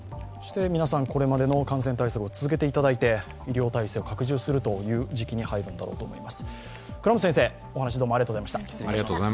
皆さん、これまでの感染対策を続けていただいて、医療体制を拡充するという時期に入るんだろうと思います。